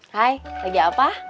hai lagi apa